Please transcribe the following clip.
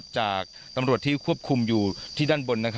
จากตำรวจที่ควบคุมอยู่ที่ด้านบน